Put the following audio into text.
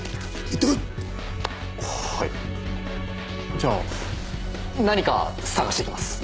じゃあ何か捜してきます。